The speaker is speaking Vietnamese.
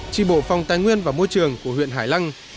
tri bộ phòng tài nguyên và môi trường của huyện hải lăng